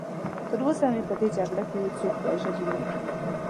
تراوسه مې په دې جګړه کې هېڅوک وژلی نه و.